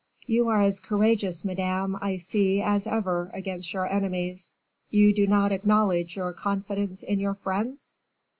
"You are as courageous, madame, I see, as ever, against your enemies. You do not acknowledge your confidence in your friends?"